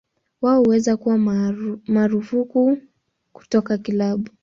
Wao huweza kuwa marufuku kutoka kilabu.